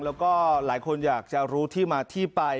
แล้วก็หลายคนอยากจะรู้ที่มาที่ไป